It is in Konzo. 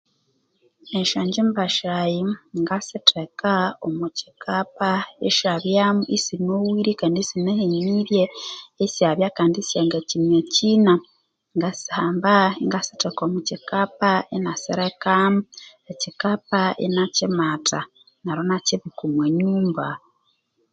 Esyangyimba syayi ngasitheka Omwa kyikapa isyabyamu isinoghirye kandi isinahenirye, isyabya kandi isisyanga kyina kyina, ngasihamba ingasitheka omu kyikapa inasirekamu, ekyikapa inakyimatha neryo inakyitheka omwa nyumba.